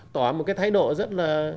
tỏa một cái thái độ rất là